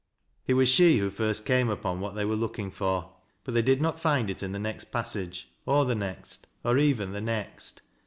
It was she who first came upon what they were looking for; but they did not find it in the next passage, cr the next, or even the next.